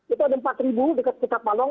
itu ada empat ribu dekat kita palong